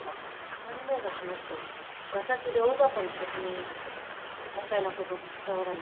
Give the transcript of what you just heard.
典姉が話すとがさつで大ざっぱな説明になって繊細な部分が伝わらない。